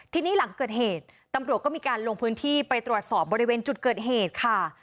ทีนี้หลังเกิดเหตุตำรวจก็มีการลงพื้นที่ไปตรวจสอบบริเวณจุดเกิดเหตุค่ะ